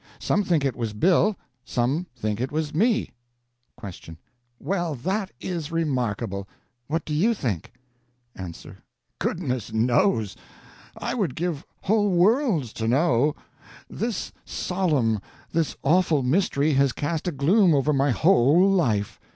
Some think it was Bill. Some think it was me. Q. Well, that is remarkable. What do you think? A. Goodness knows! I would give whole worlds to know. This solemn, this awful mystery has cast a gloom over my whole life.